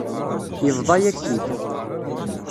Yebḍa-yak-t-id.